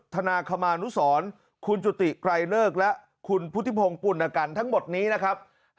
ธนาคมานุสรคุณจุติไกรเลิกและคุณพุทธิพงศ์ปุณกันทั้งหมดนี้นะครับ